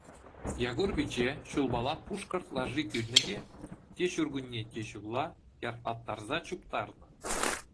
Якур пичче ҫулпала пушкӑрт лаши кӳлнӗ те, те ҫуркунне, те ҫулла яртлаттарса чуптарнӑ.